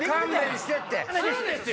吸うんですよ。